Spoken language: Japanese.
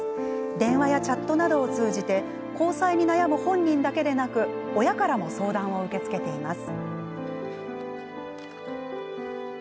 電話やチャットなどを通じて交際に悩む本人だけでなく親からも相談を受け付けています。